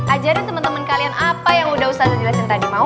ajari temen temen kalian apa yang ustazah udah jelasin tadi mau